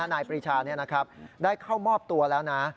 นายปรีชาได้เข้ามอบตัวแล้วนะ